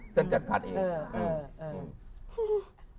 ฉันจัดผัดเอง